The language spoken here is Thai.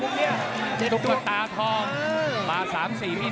มันมีรายการมวยนัดใหญ่อยู่นัด